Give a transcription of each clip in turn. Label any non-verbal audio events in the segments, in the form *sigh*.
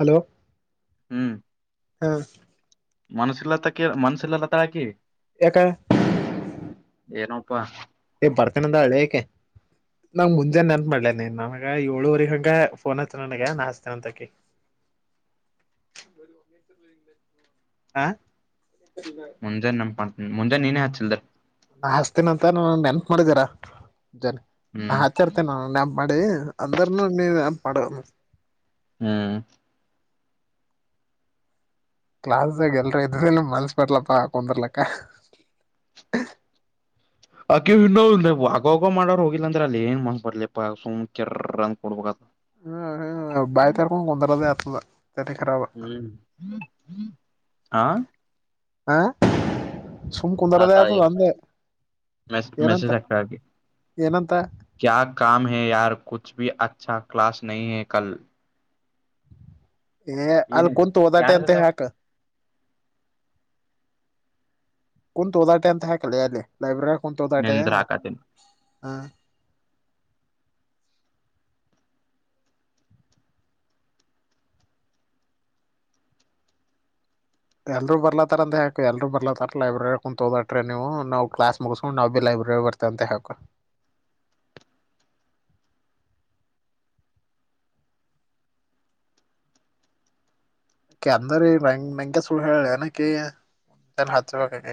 Hello ಹಾಂ ಮನಸಿಲ್ಲತ್ತ ಮನಸಿಲ್ಲಲ್ಲತ ಹಾಕಿ ಎಕ ಏನಪ್ಪಾ ಬರ್ತೇನ ಅಂದ ಹೇಳಿಕೆ ನಾ್ ಮುಂದಜೆ ನೆನ್ಪ ಮಾಡ್ಲೇನೆನ್ ನಮಗ ಏಳುವಗ ಹಂಗಗೆ ೋನ್ಯತ ನನಗೆ ನಾಸ್ತ ಅಂತಕಿ ಹ *inaudible* *inaudible* *inaudible* ಹ ಮುಂಜೆ ನಮ ಮುಂಜೆ ನೀೇ ಹಚ್ಚಿಲ್ದರ್ ನಾ ಹಚ್ತೇನ ಅಂತ ನ ನೆನ್ಪ ಮಾಡಿದೀರಾ ಜನ ನಾ ಹ್ಮ್ ಹಚರ್ತೇನಿ ನ ನೆನ್ಪ ಮಾಡಡೆ ಅಂದರನು ನನು ಪಡ ಹ್ಮ್ ಕ್ಲಾಸ್ಾಗ ಎಲ್ರ ಇದ್ದ ಮನ್ಸ್ ಬರ್ಲಪಾ ಹಾ ಕುಂದರ್ಲಕ್ಕ ಅಕ ಇನ್ನೋ ಆಗವೋಗೋ ಮಾಡೋರ್ ಹೋಗಿಲ್ಲ ಅಂದ್ರೆ ಅಲ್ಲಿ ಏನ್ ಮಾಡಬರ್ಲಲಿಪ್ಪ ಸುಂಚರ ಕಿರ್ರ್ರ್ ಅಂಥ ಕೊಡ್ಬ ಹ್ಮ ಹ್ಮ ಬಾಯಿ ತರಕೊಂಡ ಕೊಂದರದ ಆತದ ತನೆ ರಾಬ ಹ್ಮ ಹಾ ಆ ಸುಮ್ ಕು ಕುಂದರದೇ ತಾತಾಳಿ ಆತದ ಅಂದೆ ಏನಂತ ಏನಂತ ಕಾಯ್ ಕಾಮ ಹೈ ಯಾರ ಕುಚ್ ಭೀ ಅಚ್ಚ ಕ್ಲಾಸ ನಾಯಿ ಹೈ ಕಲ್ ಏ ಅಲ್ ಏನಿದೆ ಕುಂತು ಹೋದಾಟೆ ಯಾರ್ದದ ಅಂತ ಹಾಕ್ ಕುಂತೋದಾಟೆ ಅಂತ ಹಾಕಲ್ಲ ಅಲ್ಲಿ ಲೈಬ್ರರಿ ಕುಂತೋದಾಟೆ ನಿಂದ್ರ ಹಾಕತೇನಿ ಹ ಎಲ್ರು ಬರ್ಲತಾರ ಅಂತಾಕಕ್ ಎಲ್ರು ಬರ್ಲತಾರ ಲೈಬ್ರರಿ ಹ ಕು ತೋದಟ್ರೀ ನೀವು ನಾ ಕ್ಲಾಸ್ ಮುಗಸಕು ನಾ ಭ ಬಿ ಲೈಬ್ರರಿ ಬರ್ ತಂತೆೆ ಹಾಕು ಅಕ ಅಂದ್ರ ನಂಗ ನಂಗೆ ಸುಳ್ಳು ಹೇಳಿ ಅಏನಕ ಜನ ಹಚ್ಬೇಕ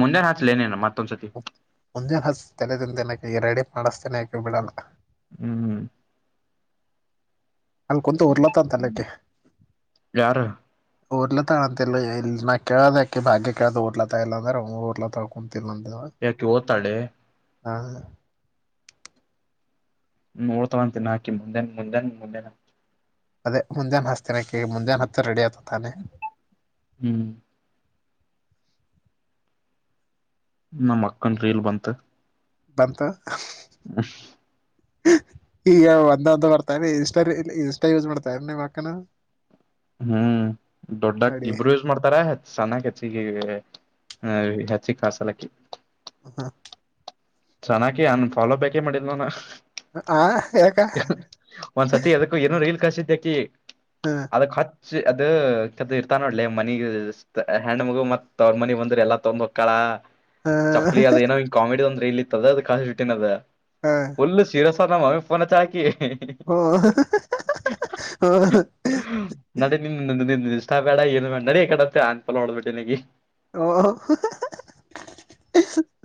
ಮುಂದೆ ಹಾಚ್ಲೇನೆೇನು ಮತ್ತೊಂದು್ಸತಿ ಮುಂಜಿನ ಹಸು ತಲೆದಿಂದ ೆನಕ ಈ ರೆಡಿ ಮಾಡಿಸ್ತೇನ ಯಾಕು ಬಿಡೋಲ್ಲ ಹ್ಮ್ ಹ್ಮ್ ಅಲ್ಲಿ ಕೊಂತ ಉರ್ಲತ ತಲೆಕ್ಕೆ ಯಾರು ಊರ್ಲ ತಳಂತ ಇ ಕೇಳಿ ಭಾಗ್ಯ ಕೇಳ ಊರ್ಲ ತ ಇಲ್ಲ ಅಂದ ಊರ್ಲ ತಾ ತಿಲಂದ ಯಾಕೆ ಓದ್ತಾಳೆ ಹಾ ನೋಡ್ತವಂತ ತಿನ್ ಹಾಕಿ ಮುಂದೆ ಮುಂದೆ ಮುಂದೆನ ಅದೇ ಮುಂದಾನನ್ ಹಸ್ತಿನ ಕೇಳಿ ಮುಂದೇಾನ ಹತ್ತು ರೆಡಿ ಆಯತ ತಾನೆ ಹ್ಮ್ ನಮ್ಮ್ ಅಕ್ಕನ್ ರೀಲ್ ಬಂತ ಬಂತ ಹ್ಮು ಈಗ ಒಂದಂತ ಬರ್ತಾ ಇನ್ಸ್ಟ ಇನ್ಸ್ಟ ಯೂಸ್ ಮಾಡ್ತಾ ನಿಮ್ಮ ಅಕ್ಕನ ಹ್ಮ್ ದೊಡ್ಡಾಗಿ ಬಡಿ ಇಬ್ರು ಯೂಸ್ ಮಾಡ್ತಾರತ್ ಚೆನ್ನಾಗಿ ಹೆಚ್ಚಿಗೆ ಹೆಚ್ಚಿ ಕಾಸಲಕ್ಕಿ ಹ್ಮ ಚೆನ್ನಾಗಿ ಅನ್ ಫಾಲೋ ಬ್ಯಾಕೇ ಮಾಡಲ್ಾನ ಹಾ ಯಾಕೆ ಒಂದ್ಸತಿ ಅದಕ್ಕೂ ಏನ ರೈಲ್ ಕಾಶ ಇದ್ದ್ಯಾಕಿ ಹಾ ಅದಚ್ ಅದು ಇರ್ತಾ ನೋಡ್ಲಿ ಮನಿ ಹೆಣಂಡ್ ಮಗು ಮತ್ ಅವ್ರ ಮನಿ ಬಂದ್ರ ಎಲ್ಲಾ ತೊಂದ್ ಹಕ್ಕಳ ಹಾ ಚಪ್ಪಲಿ ಅದ ಏನೋ ಹಿಂಗ್ ಕಾಮಿಡಿ ಒಂದ ರ ಇತ್ತದ ಅದು ಕಳಿಸಿ ಬಿಟ್ಟಿದ್ದೇನೆ ಅದ ಹಾ ಫುಲ್ಲು ಶೀರೋಸರ್ ನಮ್ಮಮ್ಮನಿಗೆ ಪೋನ ಅಚ್ಚಳ ಹಾಕಿ ಹಓ ಹ ನಡಡಿ ನಿ ನಿ ನಿಷ್ಟ ಬೇಡ ಏನು ನೀ ಈ ಕಡೆತ್ತ ಅನ್ಪಲ್ ನೋಡ್ಬಟ್ಟ ನಗೆ ಓ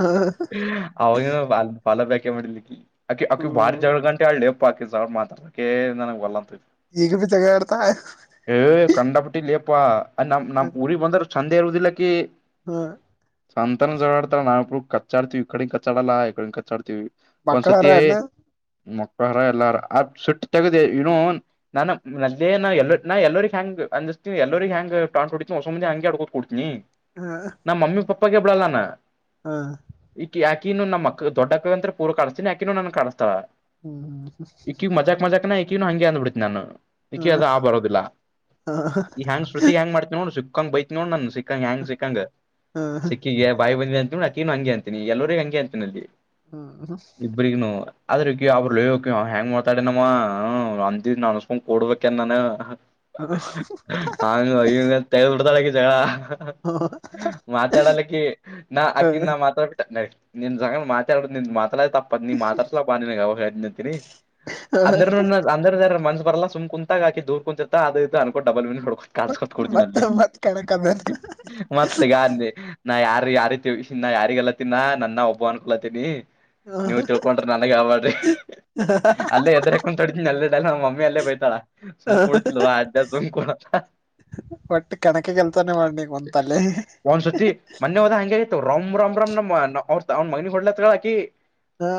ಹ ಅವಾಗ ಪಾಲ ಬಕೆ ಮಾಡಲಿ ಅಕಿ ಅಿ ಬಾರಿ ಹ್ಮ್ ಜಗಳ ಗಂಟೆ ಹೇಳಲಿ ಾಕಿದ್ ಅವಡ್ ಮಾತಾಡ್ಬೇಕ ನನಗೆ ಒಲ್ಲ ಅಂತತ್ತು ಈಗ ವಿ ಜಗಳ ಆಡ್ತಾಳ ಏ್ ಕಂಡಾಪಟ್ಟಿಲ್ಲೆಯಪ್ಪಾ ನಮ್ ನಮ್ಮ್ ಊರಿಗೆ ಬಂದ ಸಂದೆ ಇರುವುದ ಇಿಲ್ಲಕ್ಕ ಹ್ಮ ಸಂತರ ಜಗಾಡತ ನಾವುು ಕಚ್ಚಾಡ್ತೀವಿ ಇ ಕಡೆ ಕಚ್ಚಡಲ್ಲ ಇಡೆ ಕಾಡ್ತೀವಿ ಒಂದ್ಸತಿ ಮಕ್ಕಳಾರ ಐ ಅಣ್ಣ ಮಕ್ಕಳಾರ ಎಲ್ಲಾರ ಆ ಸುಟ್ಟಿ ತಗದ ಇನ್ನು ನಾನ ಮದೇ ನಾ ಎಲ್ಲ ನಾ ಎಲ್ಲರಿಗೆ ಹೆಂಗ ಅಂದಿಸತಿ ಎಲ್ಲರಿಗೆ ಹೆಂಗ ಟಾಟ್ ಹೊಡತೀನಿ ಹೊಸ ಮುಂದೆ ಹಂಗೆ ಅಡ್ಕೋ್ ಕೊಡ್ತೀನಿ ಹಾ ನ ಮಮ್ಮಿ ಪಪ್ಪಾಗ ಬಿಳಲ್ಲಾನ ಹಾ ಈಕ ಯಾಕ ಇನು ನಮ್ಮಕ್ಕ ದೊಡ್ಡಕ್ಕ ಅಂತ ಪೂ ಕಿಸತೀನ ಯಾಕ ಇನ್ನುನು ನನ್ ಕಿಸಸ್ತಳ ಹ್ಮ್ ಇಕಿ ಮಜಾಕ್ ಮಜಾಕ್ ನ ಈಕ ಹಂಗೆ ಅಂದ್ಬಿಡ್ತಿ ನಾನು ಹ್ಮ್ ಅದ ಆ ಬರೋದಿಲ್ಲ ಹ ಈ ಹೆ್ಯಾಂಗ್ ಶರುತಿ ಹೆಂಗ ಮಾಡ್ತಿನನ ನೋ ಸಿಕ್ಕಂಗ ಬೈತ ನೋಡ್ ನನ್ ಸಿಕ್ಕಂಗ ಹೆಂಗ ಸಿಕ್ಕಂಗ ಹ ಸಿಕ್ಕಿಗೆ ಬಾಯಿ ಬಂದಿ ಅಂತ ನೀನು ಹಂ ಅಂತೀಿ ಎಲ್ಲರಿಗೆ ಹಂಗೆ ಅಂತೀನಿಲ್ಲಿ ಹ್ಮ ಹ ್ರನು ಅದ್ರ ಅವರು ಲಯ ಹೆಂಗ ಮಾಡ್ತಾಡ ನಮ್ಮ ಅಂದ ನ ಅ ಕೊಡ್ಬೇಕಕ್ಕೆೆನಾನ ಹಾಂಗಯ ತಬಡ್ತ ಜಗಳ ಮಾತಾಡಲ್ಲಕ್ಕೆ ನಾ ಆಕಿ ನ ಮಾತಾಡ್ ನ ನಿನ್ ಜಗನ್ ಮಾತಾಡೋದು ನಿ ಮಾತಾಡ ತಪ್ಪ ನೀ ಮಾತತ್ರಸಲ ಬಗೆ ಯಾವಾಗ ಹೇಳ್ದಂತೀನಿ ಅ ಅಂದ್ರ ಮನ್ಸ್ ಬರಲ್ಲ ಸು್ ಕುಂತಾಗಾಕಿೂರ್ ಕುಂತಿತ ಅದ ಅನ್ಕೋ ಡಬಲ್ನ್ ನಡ್ಕು ಕಸಕತ್ ಕೊಡ್ತ ಮತ್ತ ನಲ್ಲ ಮತ್ ಕಣಕದ ಮತ್ತೆ ಗಾಿ ನಾ ಯಾರ ಯಾರೀತಿ ನಾ ಯಾರಿಗೆಲ್ಲ ಿನ ನನ್ನ ಒಬ್ಬ ಅನ್ಕೊಲತೀನಿ ನೀವು ತಿಳ್ಕೊಂಡ್ರಿ ನನ್ಗ ಆಬಡ್ರಿ ಅಲ್ಲೇ ಎದ್ರಕೊಂಡ್ ತಡನಿ ಎಲ್ಲಲ್ಲ ನಮ್ಮ ಮಮ್ಮಿ ಅಲ್ಲೇ ಬಯ್ತಾಳ ಸುಂ್ಕ ಕೊಡತಿಲ್ವಾ ಅದ ಸುಂ್ ಕೊಡ ಒಟ್ಟಿ ಕಣಕ ಕೆಲ್ಸಾನೇ ಮಾಡನಿ ಕುಂತಲ್ಲಿ ಒಂದ್ ಸತಿ ಮನೆೆ ಹೋದ ಹಂಗ ಆಗತವ ರಮ್ ರಮ್ ರಮ್ ನಮ್ ಅವ್ರ ಅವ್ನ ಮಗನಿ ಹೊಡ್ಲತ್ಾಕಿ ಹಾ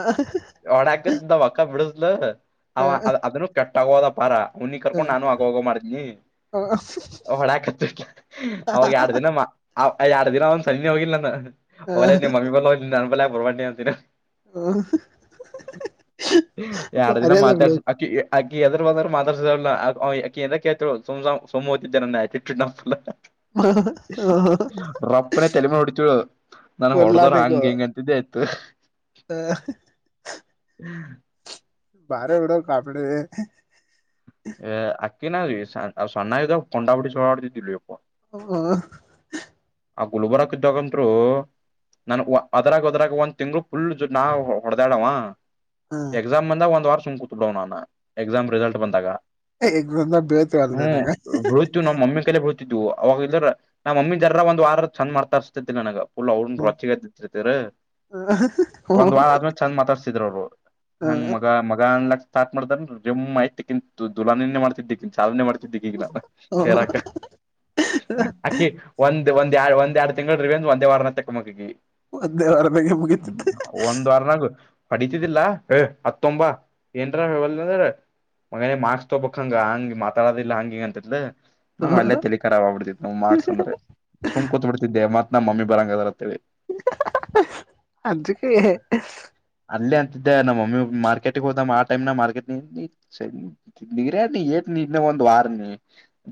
ಒಡಾಕದ ವಕ್ಕ ಬಿಡುದ್ಲು ಅವ ಹ ಅದನ್ನು ಕೆಟ್ಟಗೋದ ಪಾರ ಅವ್ನಿಗೆ ಕರ್ಕೊಂಡ್ ನಾನು ಆಗ ಹೋಗೋ ಮಾಡಿದನಿ ಹ ಹೊಳಾಕತ್ ಅವಾಗ ಯಾರ ದಿನಮ್ಮ ಆ ಯರ ದಿನ ಒಂದ್ ಸಣ್ಣಿ ಹೋಗಿಲ್ಲ ನ ಹೋಗ್ಲ ಹ ನಿಮ್ಮಿ ಬಲ್ಲೋಗ ನನ್ಪಲ್ಲ ಬರ್ಬ ಅಂತಿನ ಎಡು ದಿನ ಬಾರಿ ಅದ ಬಿಡು ಮಾತಾಡ್ ಅಕಿ ಅಕ್ಕಿ ಎದ್ರರು ಬದರು ಮಾತಸ ಅಿ ಎದೇಳ್ು ಸಮ್ ಸಮ್ ಹ್ತಿದ್ದೆ ನನ್ನಿ ರಪ್ಪನೇ ತೆಲೆಮ ಡತ ನನ್ ಹೊಡದವ್ರ ಹಂಗ ಹಿಂಗಂತಿದ್ದೆ ಆಯ್ತು ಹ ಹ್ಮ್ ಬಹಾರ ಉಡೋ ಕಪಡೆ ಎ ಆಕಿ ನ ಸನ್ನ ಇದೀಗ ಕೊಂಡಾಪುಡಿಿ ಸುಳ್ಳಿ ಆಡ್ತ್ತುಲ್ ಹ ಆ ಗುಲ್ಬರಕ್ ಇದ್ದೋಗಂದರು ನಾನ ಅದರಾಗ ಅದ್ರಾಗ ಒಂದ್ ತಿಂಗ್ಳ ುಲ್ ಜೊ ನಾ ಹೊಡೆದಾಡವಾ ಎಕ್ಸಾಮ್ ಬಂದ ಒಂದ್ ವ ಸು್ೂತ್ ಬಿಡ್ಡ ನಾನ ಎಕ್ಸಾಮ್ ರಿಸಲ್ಟ್ ಬಂದಾಗ ಎಗ ಜನ ಬೇಳ್ತ ಅಲ್ದನಗ ಇ ನ್ ಮಮ್ಮಿ ಕಲೆಗ್ ಹೋಗತಿದ್ವು ಅವಾಗ ನಮ್ಮ ಮಮ್ಮಿ ಜರ ಒಂದು ವಾರ ಚಂದ ಮಾಡ್ತರ್ಸತತಿಲ್ಲ ನನಗ ಲ್ ಅವ್ರ ರಚಿಗೆರ್ತಿರ ಒಂದ್ ವಾರ ಆದ್ಮೇ ಚಂದ ಮಾತಾಡ್ಸತಿದ್ರರು ಅವ್ರು ಹಂಗ್ ಮಗ ಮಗ ಅನ್ ಸ್ಟಾರ್ಟ್ ಮಾಡ್ದೆಮ್ ಆಯ್ತತಿ ಕಿಂತ ದುಲಾನಿನೇ ಮಾಡ್ತಿದ್ದಿಂತತ್ ಸಾಧನೆ ಮಾಡ್ತಿದ್ದಿಗ ನಾನು ಹೇರಾ ಅಕಿ ಒಂದ್ ಒಂದ್ ಎ ಒಂದ್ ಎರಡ್ ತಿಂಗಳ ರ ಒಂದು ಒಂದೇ ವಾರ ನ ತಕ್ಕ ಮಗಗಿ ಒಂದೇ ವಾರ ಬೇಗೆ ಮುಗತಿದ್ದೆ ಒಂದ್ ವಾರನಾಗು ಅಡಿತಿದ್ದಿಲ್ಲಾ ಏ ಹತ್ತೊಂಬ ಏನ್ರಲ್ ಮಗನೆೇ ಮಾರ್ಕ್ಸ್ ತೊೋಬಬೇಕಕ್ ಹಂಗ ಹಂಗಗೆ ಮಾತಾಡೋದಿಲ್ಲಾ ಹಂಗಿಂಗ ಅಂತ ನಮ್ ಅಲ್ಲೇ ತಲಿಕಖಾವ್ಬ ಬಿಡ್ತಿದ ನ್ ಮಾರ್ಕ್ಸ್ ಅಂದ್ರೆ ಸುಂ ಕೂತ್ ಬಿಡ್ದಿದ್ದೇ ಮತ್ ನಮ್ಮಿ ಬರಂಗ ಅದರ ಅಂತೇಳಿ ಅಜಕ್ಕೆ ಅಲ್ಲೇ ಅಂತಿದ್ದೆ ನಮ್ಮ ಮಮ್ಮಿ ಮಾರ್ಕೆಟಗ್ ಹೋದ ಆ ಟೈಮ್ ನ ಮಾರ್ಕೆಟ್ ನಿ ಸರಿ ತಿಗ್ರ ನೀ ಏತ್ ನಿನ ಒಂದ ವಾರ್ ನೀ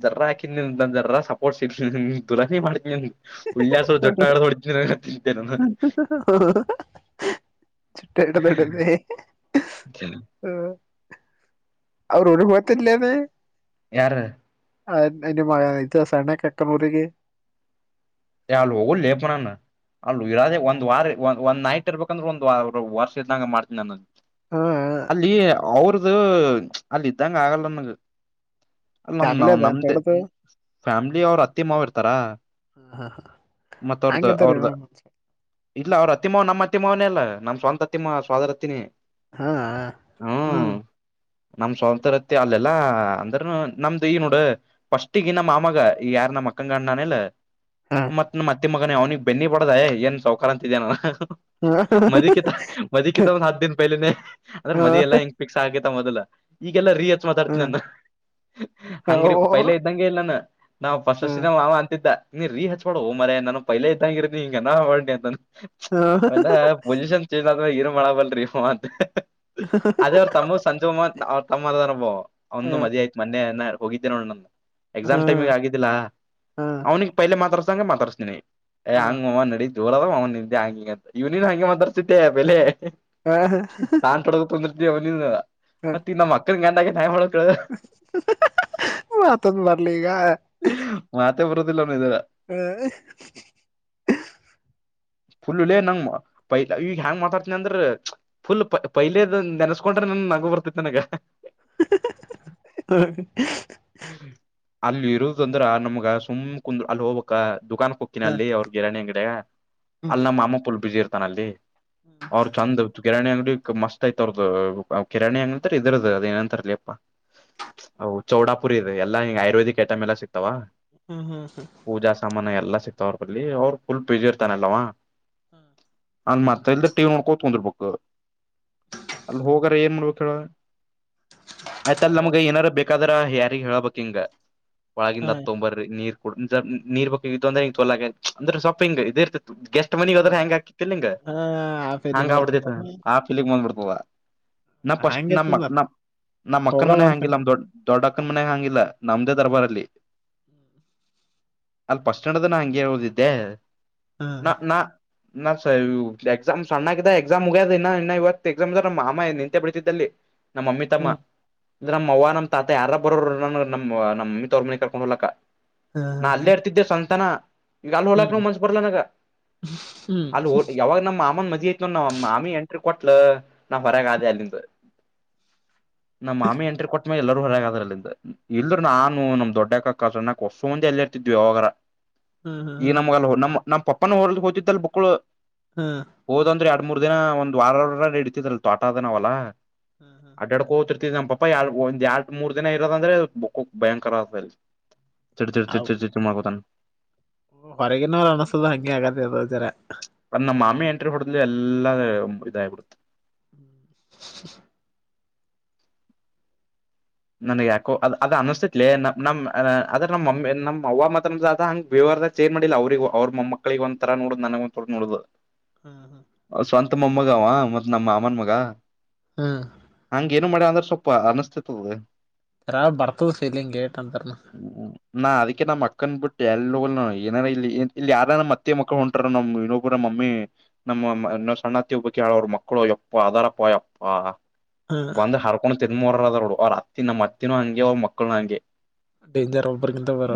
ಜರ ಹಾಕಿದ ನಿ ಜರ ಸಪೋರ್ಟ್ಸ್ ಇ ದುರಿ ಮಾಡ್ತ ಉಳ್ಳಾಸ ಜೊಟ್ಟ ಆಡೆ ತೊಳ ಕ ಚುಟ್ಟ ಇಟ್ಟ ದೊಡ್ಡ್ದ ಹ ಹ್ಮ ಅವರು ಒಳ ಹತ್ತಲ್ಲನೆ ಯಾರು ಆ ಎ ಮ ಇದು ಸಣ್ಣ ಕಕ್ಕನೂಲಗೆ ಯಲ್ಗಲ್ಲೇಪನನ್ನ ಅಲ್ಲೂ ಇರದೇ ಒಂದ ವಾರ ಒಂದ ಒಂದ ನೈಟ್ ಇರ್ಬೇಕಂದ್ರೆ ಒಂದ್ ವ ವರ್ಷ ಇದ್ದಂಗ ಮಾಡ್ತನಿ ನಾನದು ಹ ಅಲ್ಲಿ ಅವ್ರದು ಅಲ್ಲಿ ಇದ್ದಂಗ ಆಗಲ್ಲನಗೆ ಅಲ್ಲ ನಮ ಫ್ಯಾಮಿಲಿ ನಾವ ಅದ ನಮ್ದೇ ನೋಡದು ಫ್ಯಾಮಿಲಿ ಅವ್ರ ಅತ್ತಿ ಮಾವ ಇರ್ತಾರಾ ಹಾ ಹಾ ಹಾ ಮತ್ತ ಅವ್ರ್ದ ಅವ್ರದ್ದ ಇಲ್ಲ ಅವ್ರ ಅತ್ತಿ ಮಾವ ನಮ್ಮ್ ಅತ್ತಿ ಮಾವನೇ ಅಲ್ಲ ನಮ್ಮ್ ಸ್ವಂತ ಪ್ರತಿಮ್ಮ ಸ್ದರತಿನಿ ಹಾ ಹ್ಮ ಹ್ಮ್ ನಮ್ ಸ್ವಾತಂತ್ರತ್ಯ ಅಲ್ಲೆಲ್ಲಾ ಅಂದ್ರನು ನಮ್ದು ಈ ನೋಡ ಪಫಸ್ಟ್ ಈಗ ನಮ್ಮ ಮಾಮಗ ಈ ಯಾರ ನಮ್ಮ ಅಕ್ಕಂಗ ಅಣ್ಣನಲ್ಲ ಹಾ ಮತ್ ನ ಮತ್ತೆ ಮಗನ ಅವ್ನಿಗೆ ಬೆನ್ನಿ ಬಡೋದ ಏನ್ ಸೌಖಕಾರ ಅಂತ ಇದೇನಲ್ಲ ಮದಕ್ಕಿತ ಮದಕ್ಕಿತ ಒಂದ್ ಹತ್ ದನ್ ಪೈಲಿನೇ ಅದ್ರೆ ಹಾ ಮದಿ ಎಲ್ಲಾ ಹೆಂಗ ಫಿಕ್ಸ್ ಆಗೇತ ಮೊದಲ ಈಗೆಲ್ಲಾ ರಿಯಚ್ ಹಾ ಮಾತಾಡ್ತೀನಿ ನಾನು ಹಂಗ್ರೀ ಪೈಲ ಇದ್ದಂಗೆ ಇಲ್ಲ ನಾನು ನಾ ಫಸ್ಷನ ಮಾವ ಅಂತಿದ್ದ ನೀ ರೀ ಹತ್ತ ಡ ಹೋ ಮರ ನಾನು ಪೈಲೆ ಗಿರನಿ ಹಿಂಗ ನ ಮಾಡಿ ಅಂತಾನ ಅವೆಲ್ಲ ಪೊಸಿಷನ್ ಇರು ಮಳ ಬಲ್ರಅಂತ ಅದೇ ಅವ್ರ ತಮ್ಮ ಸಂಜ ಅವ್ರ ತಮ್ಮ ಅ ಅವ್ನು ಮದ ಆಯ್ತ್ ಮನೆಯ ಹೋಗಿದ್ದ ನೋ ನ ಎಕ್ಸಾಮ್ ಟೈಮಿಗೆ ಆಗಿದ್ದಿಲ್ಲಾ ಅವ್ನಿಗೆ ಪೈಲೆ ಮಾತಾಡ್ಸಂಗಗೆ ಮಾತಾಡ್ಸನಿ ಏ ಹಂಗ ನಡೀ ಜೋಲ ಅದ ಅವನ ನಿದೆ ಹಂಗ ಹಂಗಂತ ಇವ್ನ್ ಹಂಗಗೆ ಮಂದರ್ಸಿದ್ದೆ ಬೆಲೆ ನಾನ್ ತೊಡಗಂದ ಮತ್ತೆ ಇನ್ನ ಮಕ್ಳಿಗೆ ಗಂಡಾಗಿ ನಾಯಿ ಮಾಡ ಮಾತೊಂದು ಬರ್ಲಿ ಈಗ ಮತೆ ಬರೋದಿಲ್ಲವ ಇದ ಹ ಫುಲಲ್ಲೇ ನಂಗ ಪೈ ಈಗ ಹೆಂಗ್ ಮಾತಾಡ್ತಿನನಿ ಅಂದ್ರ ಫುಲ್ ಪೈಲದ ನೆನ್ಸ್ಕೊಂಡ್ರೆ ನನ್ ನಗು ಬರ್ತತಿನಗ ಹೌ ಅಲ್ಲಿ ಇರುದ ಅಂದ್ರ ನಮ್ಗ ಸುಮ್ ಕುಂದ ಅಲ್ಲಿ ಹೋಗ್ಕ ದುಕಾಕ್ ಹಕ್ಕಿನಲ್ಲಿ ಅವ್ರ ಗಿರಾಣಿಂಗಡಡೆ ಅಲ್ಲಿ ನಮ್ಮ ಅಮ್ಮ ಪುಲ್ ಬಿಸಿಿ ಇರ್ತಾನ ಅಲ್ಲಿ ಅವ್ರ ಚಂದ ಕಿರಾಣಿ ಅಂಗ್ಡಿ ಮಸ್ತ್ ಆಯ್ತ್ ಅವದ ಕಿರಾಣಿ ಅಂಗಂತರ್ ಇದ್ರದದು ಅದ ಏನಂತಾರಲಪ್ಪಾ ಹ ಚೌಡಾಪುರ್ ಇದೆ ಎಲ್ಲಾ ಆುರ್ವೇಕ್ ಐಟಮ ಎಲ್ಲ ಸಿಕ್ತಾವ ಹ್ಮ ಹ್ಮ ಹ್ಮ ಪೂಜಾ ಸಾಮಾನ ಎಲ್ಲಾ ಸಿಕ್ತಾವ ಅವ್ರ ಬಲ್ಲಿ ಅವ್ರು ಫುಲ್ ಪಿಜಿ ಇರ್ತಾನಲ್ವಾ *inaudible* ಅಂದ ಮತ್ತ ಇಲ್ದ ಟಿ ಕುಂತ್ಕಂಡಿ ಇರಬೇಕು ಅಲ್ಲಿ ಹೋಗಾರ ಏನ್ ಮಾಡ್ಬೇಕಕ್ ಹೇಳ ಆಯ್ತ ಅಲ್ ನಮ್ಗ ಏನಾದಾರು ಬೇಕಾದ್ರ ಯಾರಿ ಹೇಳಬೇಕಕ್ ಹಿಂಗ ಒಳಗಿಂದ ಹತೊಗೊಂಡು ಬರಿ ನೀರ್ ನೀರ್ ಬ ಅಂದ್ರೆ ತೋಲಾಗೆ ಅಂದ್ರೆ ಶಾಪಿಂಗ್ ಇದ ಇರ್ತಗೆಸ್ ಎ ಮನಿ ಹದ್ರ ಹ್ಮ್ ಹೆಯಾಂಗ್ ಹಾಕಿತಿ ನಿಂಗ ಹಾ ಆ ಹಾಂಗ ಫೀಲಿಂಗ್ ಬರ್ತದ ಆಬಿಡ್ತ ಆ ಪಿಲಿನ್ಬಂದ್ಬಿಡ್ಬವ ನಾ ಫಸ್ಟ್ ನಮ್ಮ ಹಂಗೆತ್ತನ್ ಮತ್ ನ ನಮ್ಮ್ ಹೋಗ ಮಕ್ಕನ್ ಮನೆ ಬಂದಸ ಹಂಗಿಲ್ಲ ಹಾ ನಮ್ ದೊಡ್ ದೊಡ್ಡ ಅಕ್ಕನ್ ಮನ್ಯಾಗ ಹಾಂಗಿಲ್ಲ ನಮ್ದೇ ದರ್ಬಾರ್ ಅಲ್ಲಿ ಹ್ಮ್ ಅಲ್ ಪಫಸ್ಟ್ಯಾಂಡ್ ಅದ ನ ಹಂಗೆ ಹದಿದ್ದೆ ಹಾ ನಾ ನಾ ನಾ ಸರ್ ಎಕ್ಸಾಮ್ ಸಣ್ಣಾಗ ಎಕ್ಸಾಮ್ ಉಗ್ಯದ ಇ ಇನ್ನು ಇವತ್ತು ಎಕ್ಸಾಮ್ ಇದ ಮಾಮ ನಿಂತೆ ಬೆಳತಿದ್ದಲ್ಲಿ ನಮ್ಮಮ್ಮಿ ತಮ್ಮ ಹ್ಮ್ ಅಂದ ನಮ್ಮ್ ಅವ್ವ ನಮ್ಮ ತಾತ ಯಾರ ಬರೋ ನಮ್ಮ ನಮ್ಮಿ ತವ್ರ ಮನೆ ಕರ್ಕೊಂಡ್ ಹೋಗಲಕ ನಾ ಅಲ್ಲೇರ್ತಿದ್ದೆ ಸವಂತನ ಈಗ ಅಲ್ಲಿ ಹ ಹೊೋಲಾಕ್ ಹ್ಮ್ ನ್ ಮನ್ಸ್ ಬರ್ಲ ನಗ ಹ್ಮ್ ಹ್ಮ್ ಅಲ್ಲಿ ಹ ಯಾವಾಗ ನಮ್ಮ ಮಾಮನ್ ಮದಿ ಐತಿ ಆಮಿ ಎಂಟ್ರಿ ಕೊಟ್ಲ ನಾ ಹ್ಮ್ ಹೊರಗಾದೆ ಅಲ್ಲಿಂದ ನಮ್ಮ ಮಾಮಿ ಎಂಟ್ರ ಕೊಟ್ಟ ಎಲ್ಲರೂ ಹೊರಗದ್ರ ಅಲ್ಲಿಂದ ಇಲ್ರು ನಾನು ನಮ್ ದೊಡ್ಡಕ್ಕ ಸುನ್ನಕ್ ಅಷ್ಟ ಮಂದಿ ಎಲ್ಲಿ *unintelligible* ಯಾವಾಗ ಈಗ ನಮಗ ನಮ್ಮ ನಮ್ಮ್ ಪಪ್ಪನ ಹೊರ್ ಹತಿದ್ದಲ್ ಬುಕ್ಕಳು ಹ್ಮ್ ಹೋದಂದ್ರೆ ಎರಡ್ ಮೂರ್ ದಿನ ಒಂದ ವಾರ ವಾರ ಇಡ್ತಿದ್ರಲ್ ತೋಟ ಅದವಾವಲ್ಲಾ ಹ್ಮ ಹ್ಮ್ ಅಡ್ಡಾಡ್ಕ ಹೋಗ್ತಿರ್ತಿದ್ ನ್ ಎಾಳ್ ಒಂದ್ ಎರಡು ಮೂರ್ ದಿನ ಇರದ ಅ ಬಕ್ ಭಯಂಕರ ಆಗ್ತ ಚಿ ಚಿ ಹೌ ಚಿ ಚಿ ಚಮಾ ಕೊದ ಹೊರಗಿನವ್ರು ಅನಸೋದು ಹಂಗೆ ಆಗತ್ತ ಅದ ಜರ ಅ ನಮ್ಮ ಮಾಮಿ ಎಂಟ್ರಿ ಹೊಡದ್ಲು ಎಲ್ಲಾ ಇದ ಆಬಿಡುತ್ತೆ ಹ್ಮ್ ನನ್ಗ್ ಯಾಕೋ ಅ ಅದ ಅನಿಸ್ತತ್ಲಿ ನಮ್ಮ್ ಅದ್ರ ನಮ್ಮಮ್ಮಿ ನಮ್ ಅವವ ಮಾತ್ರ ಹಂಗ ವಿವದ ಏ ಮಾಡಿಲ್ಲ ಅವ್ರಗ ಅವ್ರ ಮೊ ಮಕ್ಕಳಿಗೆ ಒಂಂತರ ನೋಡುದು್ ನನಗ ಒಂದಥ ನೋಡ್ದುದು ಹಾ ಹಾ ಸ್ವಂತ ಮಮ್ಮಗ ಅವ ಮತ್ ನಮ್ಮ ಅಮ್ಮನ್ ಮಗ ಹ್ಮ್ ಹಂಗ ಏನು ಮಾಡ್ಯ ಅಂದ್ರೆ ಸ್ವಲ್ಪ ಅನಿಸ್ತಿತದದೆ ಬರ್ತದ್ ಸಲಿಂಗಗೆ ಟ್ ಅಂತಾರ ಹ್ಮ್ ನಾ ಅದಕ್ಕೆ ನಮ್ಮ ಅಕ್ಕನ್ ಬಿಟ್ಟು ಎಲ್ಗ ಏನಾರ ಇ ಇಲ್ಲಿ ಯಾರ ಮತ್ತೆ ಮಕ್ಳು ಹೊಂಟ ನಮ್ ಇನ್ನೊಬ್ಬುರ ಮಮ್ಮಿ ನಮ್ಮ ಇ ಸಣ್ಣತ್ತ ಹಬ್ಬಿ ಹೇಳೋರು ಮಕ್ಕಳು ಯಪ್ಪ ಅದಾರಪ್ಪ ಯಪ್ಪಾ ಹಾ ಬಂದ್ ಹರ್ಕೊಂಡ್ ತಿಂದ ಮೋರ ಅದೋಡು ಅವ್ರ ಅತ್ತಿ ನಮ್ಮ ಅತ್ತಿನ ಹಂಗೆ ಅವ್ರ ಮಕ್ಳನ ಹಂಗೆ ಡೇಂಜರ್ ಅಬರ್ಗಿಂತ ಅವರ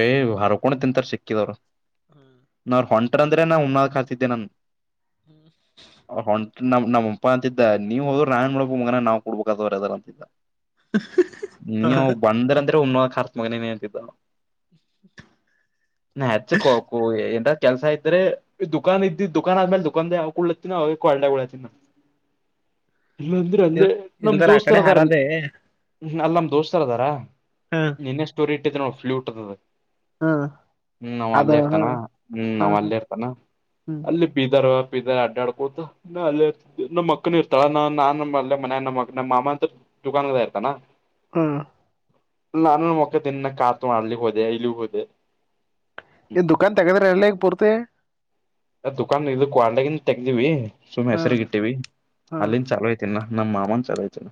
ಏ್ ಹೊರಕೊಂಡ ತಿಂತಾರ ಸಿಕ್ಕಿದವ್ರ ನಾವ್ರ ಹೊಂಟ ಕಟ ಹುನ್ನಾಾಸಿದ್ದೆ ಹ ನಮ್ ನಮ್ಮಪ್ಪ ಅಂತಿದ್ದ ನ ನೀವು ಹೋ್ರು ರಾಯ್ ನೋಳ ಮಗನ ನಾವ್ ಕೊಡ್ಬೇಕವ್ರ ಯ ಅದಾರ ಅಂತಿದ್ದ ಹ ನೀ ಬಂದ್ರ ಅಂದ್ರೆ ಹುಮನಾಬಾದ ಹರ್ತ್ ಮಗನೇನ್ ಅಂತಿದ್ದ ನೆಚ್ಚ ಕೊಕೋ ಎಂದ ಕೆಲಸ ಇದ್ದೆ ದುಾ ಇದ್ದಿ ದುಖಾನ್ ಆದ್ಮೇಲೆ ದುಕಾದ ಅವಾಗ ಕುಳತ್ತಿನ ಅವಳ್ಳ ಉತಿನ ಇಲ್ಲಾ ಅಂದ್ರೆ ಅಲ್ಲೇ ನಮ ಇಲ್ದರ ಆ ಕಡೆ ದೋಸ್ತರದಾರ ಹಾರದೆ ಹ್ಮ ಅಲ್ಲ ನಮ್ ದೋಸ್ತಾರ್ ಅದಾರ ಹ ಇನ್ನೇ ಸ್ಟೋರಿ ಇಟ್ಟಿದ ನೋ ಫ್ಲೂಟ್ ಅದದ ಹ ಹ್ಮ್ ನಾವ್ ಅದ ಅಲ್ಲೇ ಹ ಇರ್ತಾನ ಹ್ಮ್ ನಾವ್ ಅಲ್ಲೇ ಇರ್ತಾನ ಅಲ್ಲಿ ಬಿದರ್ ಪದರ್ ಅಡ್ಡಡ್ಕೋದು ನಾ ಅಲ್ಲೇ ಇರ್ ನಮ್ಮ ಅಕ್ಕನ್ ಇರ್ತಾಳ ನ ನಾನನ್ ಅಲ್ಲ ಮನ ನಮ್ಮ ಮಕ್ಕ ನಮ್ಮ ಮಾಮ ಅಂತ ಚುಕಂಗದ ಇತಾ ಹ್ಮ ನಾನ ಮಕ ತಿ ಇನ್ನ ಕಾತ್ ಮಾಡ್ಲಿ ಹದೆ ಇಲ್ಲಿ ಹೋದೆ ಇನ್ ದುಕಾನ್ ತಗದ್ರ ಎಳ್ಳ ಈಗ ಪೂರ್ತಿ ದುಕಾನ್ ಇದು ಕ್ವಾಲ್ಟಿಗನ್ ತೆಗ್ದಿವವಿ ಸುಮ್ಮ್ ಹ್ಮ ಹೆಸಗ್ ಇಟ್ಟಿವವಿ ಹ್ಮ್ ಅಲ್ಲಿಂದ ಚಲೋ ಐ ತಿನ್ನನ್ನ ಮಾಾಮಾ ಚಲಾಯ ಚಲ್ಲ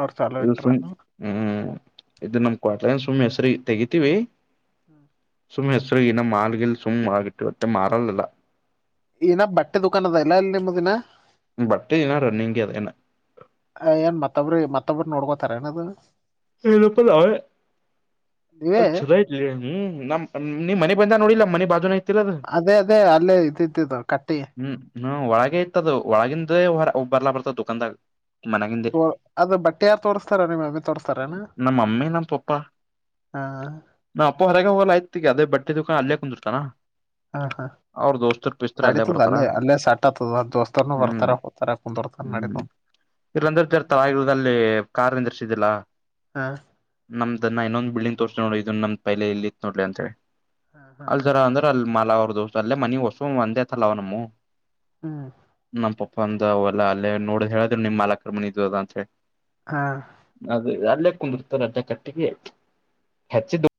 ಅವರು ಚಲೋ ಇಟ್ಟ್ರನು ಹ್ಮ್ ಇದದು ನಮ್ ಕ್ವಾಟ್ಲನ್ ಸುಮ್ಮ್ನೆ ಹೆಸ್ರ ತೆಗತಿೀವಿ ಹ್ಮ್ ಸುಮ್ಮ್ ಹೆಸರು ಇನ್ನ ಮಾಲ್ಗಲ್ ಸುಮ್ ಆಗಿಟ್ಟು ಅತ್ತೆ ಮಾರಲ್ಲಿಲ್ಲ ನ ಬಟ್ಟೆ ದುಕಾನ ಅದ ಇಲ್ಲ ಇಲ್ಲಿ ನಿಮ ದಿನ ಬಟ್ ಲ್ಲ ರನ್ನಿಂಗಗೆ ಅದ ಏನ್ ಮತ್ತೊಬ್್ರ ಮತ್ತೊಬ್ಬ್ರ ನೋಡ್ಕೋತಾರ ಏನದು ಎಪ ಅವ ನೀವೇ ಅಲ್ಲಿ ಚದಾಯ ಇಲ್ಲ ಹ್ಮ್ ನ್ ನೀಮ್ ಮನೆ ಬಂದ ನೋಡಿಲ್ಲ ಮನೆ ಬಾಜುನ. ಐತಿಲ್ಲ ಅದು ಅದೇ ಅದೇ ಅಲ್ಲೇ ಇದಿದ್ದಿದ್ದು ಕಟ್ಟಿ. ಹ್ಮ್ ಹ್ಮ ಒಳಗ ಇತದ ಒಳಗಿಂದೇ ಹೊ ಬರ್ಲಾ ಬರ್ತದ ದುಕಾದಾಗ ಮನಗಿಂದ. ತೋ ಅದು ಬಟ್ಟೆ ಯಾರ್ ತೋರಿಸಸ್ತಾರ ನಿಮ್ ಅ ತೋರ್. ನಮ್ಮ ಅಮ್ಮಿ ನಮ್ಮ ಪಪ್ಪಾ. ಹ ನಾಪ್ಪ ಹೊರಗೆ ಹೋಗಲ್ಲ ಆಯ್ತಿಗೆ ಅದೇ ಬಟ್ಟೆದುಕಾ ಅಲ್ಲಿಯ ಕುಂದಿರ್ತನಾ. ಹಾ ಹಾ. ಅಲ್ಲೇ ನಡೀತದ ಬರ್ತಾರ ಅಲ್ಲಿ ಅಲ್ಲೇ ಸಟ್ ಆತದ ದೋಸ್ತನು ಹ್ಮ್ ಬರ್ತಾರ ಹೋಗ್ತಾರ ಕುಂದರ್ತಾರ ನಡೀತ. ಇಲ್ಲಂದ್ರ ಜರ್ ತಗರೋದ ಅಲ್ಲಿ ಕಾರ್ಿಂದರ್ಷ್ಟ ಇದಿಲ್ಲಾ. ಹಾ. ನಮ್ದನ್ನ ಇನ್ನೊಂದ್ ಬಿಲ್ಡಿಂಗ್ ತೋರ್ಸ ನೋಡ ಇದನ್ ನಮ್ ಪೈಲೆ ಇಲ್ಲಿತ್ ನೋಡ್ಲಿ ಅಂತ ಹ ಅಲ್ ಹ ತರ ಅಂದ್ರೆ. ಮಲ ಅವ್ರ ದೋಸ ಅೇ ಮನಿ ಹೊಸ ಒಂದೇತ ಅಲ್ಲ ಅವ ನಮ್ಮ. ಹ್ಮ್. ನಮ್ಮ ಪಪ್ಪ ಅಂದ ಅವಲ್ಲ ಅಲ್ಲೇ ನೋಡ ಹೇಳಿದ್ರೆ ನಿಮ್ ಮಾಲಕರ್ಮನಿ ಇದ್ ಅದ ಅಂತ. ಹಾ. ಅದ ಅಲ್ಲೇ ಕುಂದರ್ತ ರಜ ಕಟ್ಟಿಗೆ ಹೆಚ್ಚಡ್.